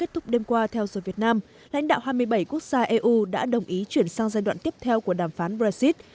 kết thúc đêm qua theo rồi việt nam lãnh đạo hai mươi bảy quốc gia eu đã đồng ý chuyển sang giai đoạn tiếp theo của đàm phán brexit